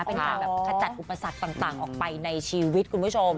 เป็นการแบบขจัดอุปสรรคต่างออกไปในชีวิตคุณผู้ชม